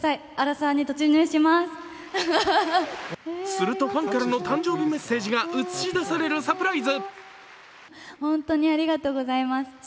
するとファンからの誕生日メッセージが映し出されるサプライズ。